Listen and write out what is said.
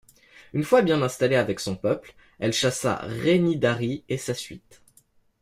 Une fois bien installée avec son peuple, elle chassa Rainidary et sa suite.